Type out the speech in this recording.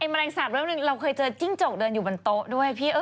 แมลงสาปเริ่มหนึ่งเราเคยเจอจิ้งจกเดินอยู่บนโต๊ะด้วยพี่